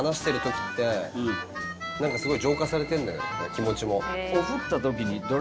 気持ちも。